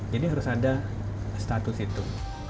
jadi harus ada status itu